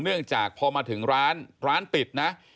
เนื่องจากพอมาถึงร้านร้านปิดนะ